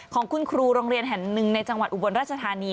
ของคุณครูโรงเรียนแห่งหนึ่งในจังหวัดอุบลราชธานี